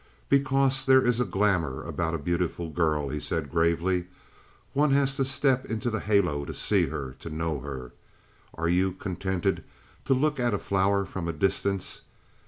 "Because there is a glamour about a beautiful girl," he said gravely. "One has to step into the halo to see her, to know her. Are you contented to look at a flower from a distance?